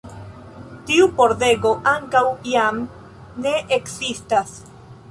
Tiu pordego ankaŭ jam ne ekzistas.